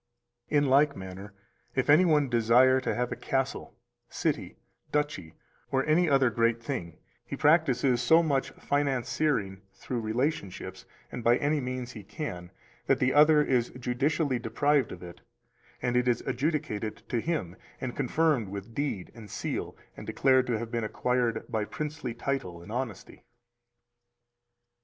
302 In like manner, if any one desire to have a castle, city, duchy, or any other great thing, he practises so much financiering through relationships, and by any means he can, that the other is judicially deprived of it, and it is adjudicated to him, and confirmed with deed and seal and declared to have been acquired by princely title and honestly.